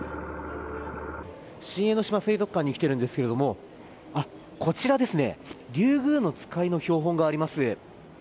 新江ノ島水族館に来ているんですけれどもリュウグウノツカイの標本があります。